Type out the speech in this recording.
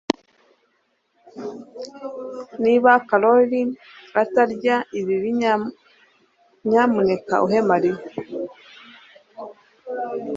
Niba Karoli atarya ibi nyamuneka uhe Mariya